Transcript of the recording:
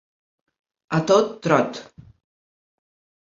A tot trot.